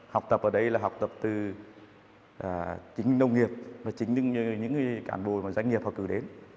học tập ở đây là học tập từ chính nông nghiệp và chính những cán bộ mà doanh nghiệp họ cử đến